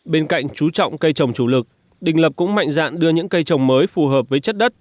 bên cạnh chú trọng cây trồng chủ lực đình lập cũng mạnh dạn đưa những cây trồng mới phù hợp với chất đất